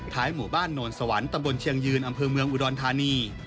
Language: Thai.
หมู่บ้านโนนสวรรค์ตะบนเชียงยืนอำเภอเมืองอุดรธานี